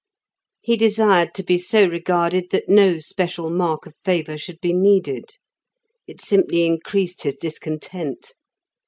He desired to be so regarded that no special mark of favour should be needed. It simply increased his discontent.